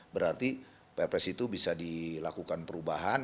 berarti perpres itu bisa dilakukan perubahan